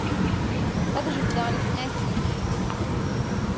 Ad jebdeɣ leḥnak-ik.